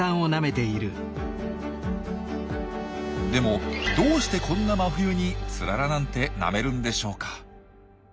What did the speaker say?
でもどうしてこんな真冬にツララなんてなめるんでしょうか？